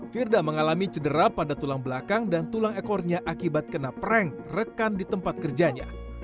firda mengalami cedera pada tulang belakang dan tulang ekornya akibat kena prank rekan di tempat kerjanya